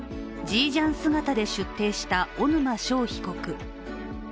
ジージャン姿で出廷した小沼勝被告。